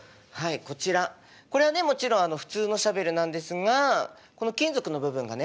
これはねもちろん普通のシャベルなんですがこの金属の部分がね